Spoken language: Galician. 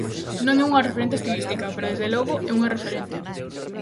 Non é unha referente estilística, pero desde logo é unha referente.